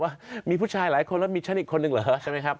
ว่ามีผู้ชายหลายคนแล้วมีฉันอีกคนนึงเหรอใช่ไหมครับ